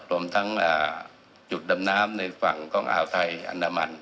รวมทั้งจุดดำน้ำในฝั่งคลอร์กอทัยอัณฑมัน